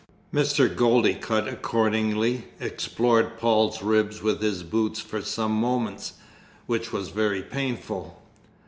Mr. Goldicutt accordingly explored Paul's ribs with his boot for some moments, which was very painful.